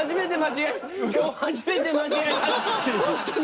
今日初めて間違えましたほんとに。